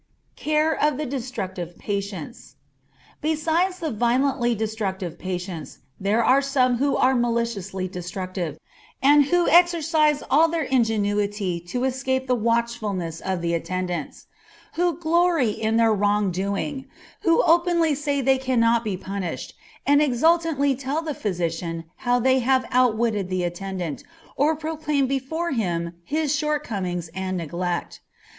Care of the Destructive Patients. Besides the violently destructive patients, there are some who are maliciously destructive, and who exercise all their ingenuity to escape the watchfulness of the attendants; who glory in their wrong doing; who openly say they cannot be punished, and exultantly tell the physician how they have outwitted the attendant, or proclaim before him his shortcomings and neglect.